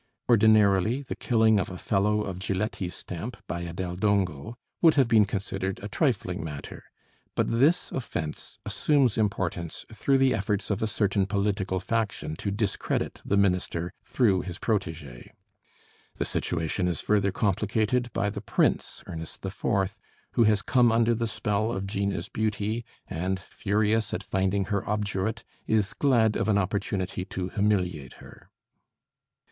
Ordinarily the killing of a fellow of Giletti's stamp by a Del Dongo would have been considered a trifling matter; but this offense assumes importance through the efforts of a certain political faction to discredit the minister through his protégé. The situation is further complicated by the Prince, Ernest IV., who has come under the spell of Gina's beauty, and furious at finding her obdurate, is glad of an opportunity to humiliate her.